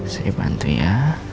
saya bantu ya